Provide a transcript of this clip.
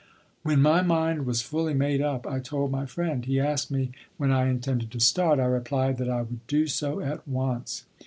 When my mind was fully made up, I told my friend. He asked me when I intended to start. I replied that I would do so at once.